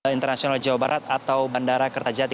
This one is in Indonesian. internasional jawa barat atau bandara kertajati